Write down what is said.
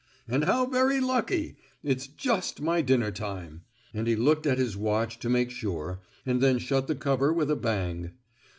"And how very lucky! It's just my dinner time," and he looked at his watch to make sure, and then shut the cover with a bang.